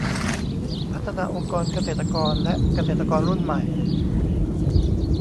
พัฒนาองค์กรเกษตรกรและเกษตรกรรุ่นใหม่